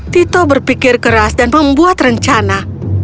tito berpikir keras dan membuat rencana